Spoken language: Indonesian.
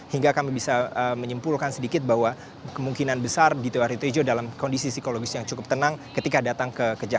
hingga kami bisa menyimpulkan sedikit bahwa kemungkinan besar adhito aryo tejo dalam kondisi psikologis yang cukup tenang